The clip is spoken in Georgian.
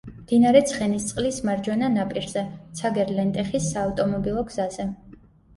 მდინარე ცხენისწყლის მარჯვენა ნაპირზე, ცაგერ–ლენტეხის საავტომობილო გზაზე.